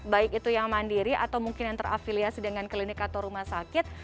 baik itu yang mandiri atau mungkin yang terafiliasi dengan klinik atau rumah sakit